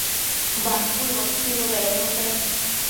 Bacuëbo chuinu bednushe